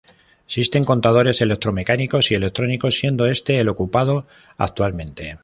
Existen contadores electromecánicos y electrónicos siendo este el ocupado actualmente.